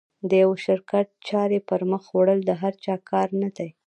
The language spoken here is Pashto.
د یوه شرکت چارې پر مخ وړل د هر چا کار نه ده.